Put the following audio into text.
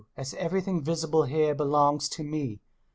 .. .as everything visible here belongs to me